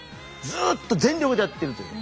ずっと全力でやってるという。